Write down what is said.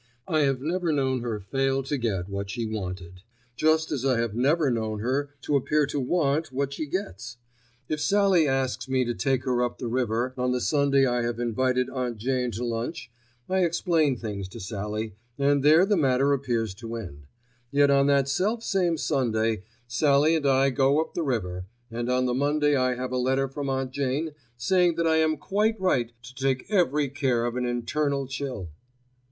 I have never known her fail to get what she wanted, just as I have never known her to appear to want what she gets. If Sallie asks me to take her up the river on the Sunday I have invited Aunt Jane to lunch, I explain things to Sallie, and there the matter appears to end; yet on that self same Sunday Sallie and I go up the river, and on the Monday I have a letter from Aunt Jane saying that I am quite right to take every care of an internal chill!